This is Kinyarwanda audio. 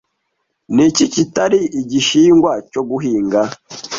Niki kitari igihingwa cyo guhinga